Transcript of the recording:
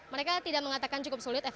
mereka tidak mengatakan cukup sulit